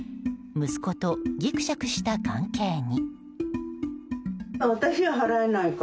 息子とギクシャクした関係に。